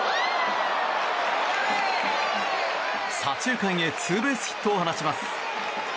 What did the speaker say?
左中間へツーベースヒットを放ちます。